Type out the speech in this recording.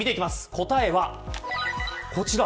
答えはこちら。